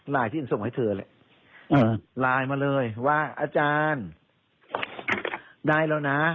ที่ฉันส่งให้เธอแหละไลน์มาเลยว่าอาจารย์ได้แล้วนะ